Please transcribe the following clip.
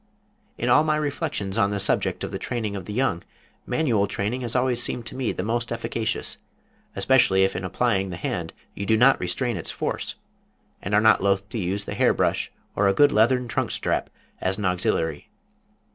In all of my reflections on the subject of the training of the young, manual training has always seemed to me the most efficacious, especially if in applying the hand you do not restrain its force, and are not loath to use the hair brush or a good leathern trunk strap as an auxiliary.